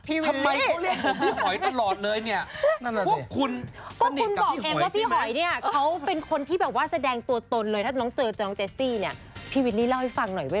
พี่วินนี่ทำไมเขาเล็งกับพี่หอยตลอดเลยเนี่ย